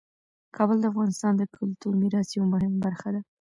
کابل د افغانستان د کلتوري میراث یوه مهمه برخه ده.